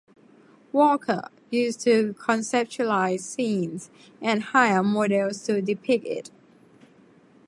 Walker used to conceptualize scenes and hire models to depict it.